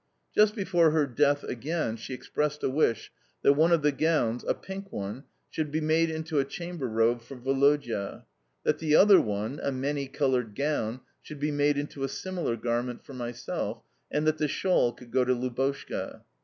Just before her death, again, she expressed a wish that one of the gowns (a pink one) should be made into a robe de chambre for Woloda; that the other one (a many coloured gown) should be made into a similar garment for myself; and that the shawl should go to Lubotshka.